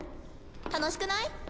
楽しくない？